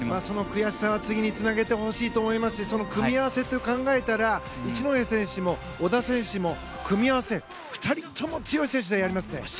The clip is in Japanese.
その悔しさは次につなげてほしいと思いますし組み合わせと考えると一戸選手も小田選手も組み合わせで、２人とも強い選手とやりますよね。